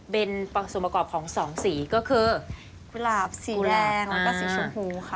เป็นส่วนประกอบของสองสีก็คือกุหลาบสีแดงแล้วก็สีชมพูค่ะ